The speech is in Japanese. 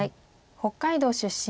北海道出身。